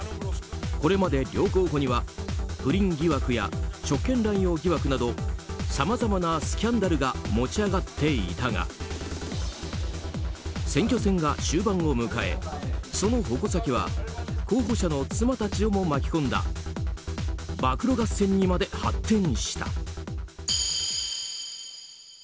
これまで両候補には不倫疑惑や職権乱用疑惑などさまざまなスキャンダルが持ち上がっていたが選挙戦が終盤を迎え、その矛先は候補者の妻たちをも巻き込んだ暴露合戦にまで発展した。